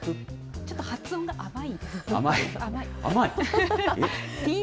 ちょっと発音が甘い。